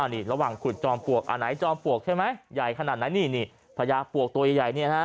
นี่ระหว่างขุดจอมปลวกอันไหนจอมปลวกใช่ไหมใหญ่ขนาดไหนนี่นี่พญาปวกตัวใหญ่เนี่ยฮะ